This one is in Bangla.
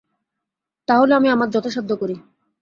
তা হলে আমি আমার যথাসাধ্য করি।